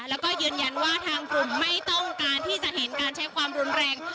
แล้วก็ยืนยันว่าทางกลุ่มไม่ต้องการที่จะเห็นการใช้ความรุนแรง